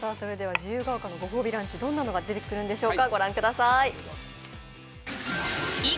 自由が丘のご褒美ランチ、どんなものが出てくるんでしょうか。